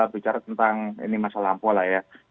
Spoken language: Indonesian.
bicara tentang ini masalah ampulah ya